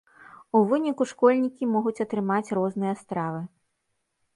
У выніку школьнікі могуць атрымаць розныя стравы.